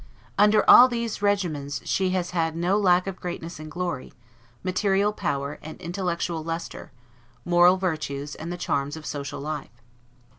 Under all these regimens she has had no lack of greatness and glory, material power and intellectual lustre, moral virtues and the charms of social life.